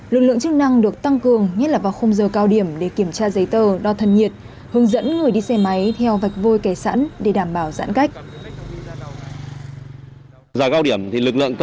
lực lượng chức năng được tăng cường nhất là vào khung giờ cao điểm để kiểm tra giấy tờ đo thân nhiệt hướng dẫn người đi xe máy theo vạch vôi kẻ sẵn để đảm bảo giãn cách